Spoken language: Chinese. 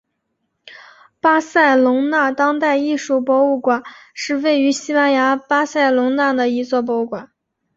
巴塞隆纳当代艺术博物馆是位于西班牙巴塞隆纳的一座博物馆。